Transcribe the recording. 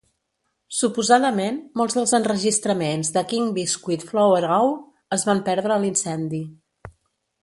Suposadament, molts dels enregistraments de "King Biscuit Flower Hour" es van perdre a l'incendi.